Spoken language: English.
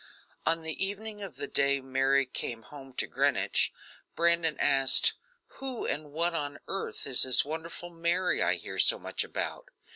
On the evening of the day Mary came home to Greenwich, Brandon asked: "Who and what on earth is this wonderful Mary I hear so much about?